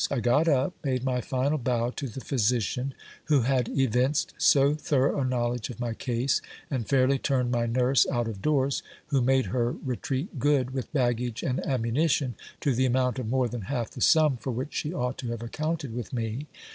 I got up, made my final bow to the physician who had evinced so thorough a knowledge of my case, and fairly turned my nurse out of doors, who made her retreat good with baggage and ammunition, to the amount of more than half the sum for which she ought to have accounted with me.